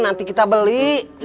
nanti kita beli